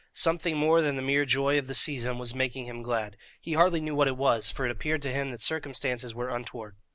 Something more than the mere joy of the season was making him glad; he hardly knew what it was, for it appeared to him that circumstances were untoward.